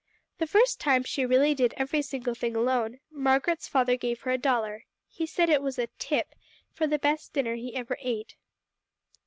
The first time she really did every single thing alone, Margaret's father gave her a dollar; he said it was a ``tip'' for the best dinner he ever ate.